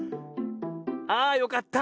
あよかった。